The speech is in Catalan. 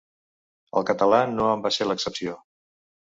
El català no en va ser l'excepció.